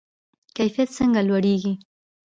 کیفیت څنګه لوړیږي؟